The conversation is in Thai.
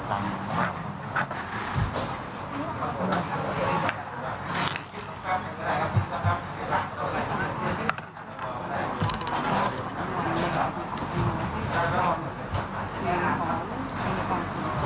อ่าทางทำลวดภูทรอะว่ะอ่าอ่าอ่าประมาณ๔๒๐นะครับ